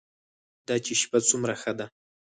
دا چې شپه څومره ښه ده.